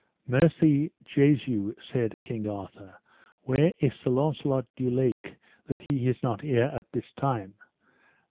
Mercy Jesu, said King Arthur, where is Sir Launcelot du Lake that he is not here at this time?